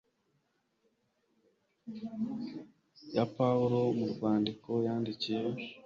ya pawulo mu rwandiko yandikiye